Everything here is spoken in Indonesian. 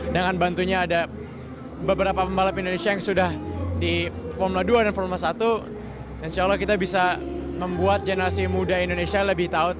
dan menurut saya saya fokus ke balapan ke depannya